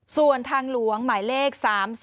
ส่วนทางหลวงหมายเลข๓๔